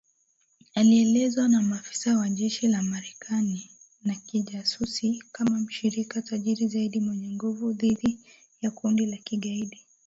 Alielezewa na maafisa wa jeshi la Marekani na kijasusi kama mshirika tajiri zaidi na mwenye nguvu dhidi ya kundi la kigaidi.